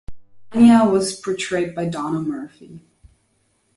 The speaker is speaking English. Lenya was portrayed by Donna Murphy.